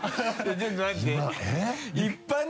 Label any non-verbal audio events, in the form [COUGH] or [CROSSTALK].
ちょっと待って [LAUGHS]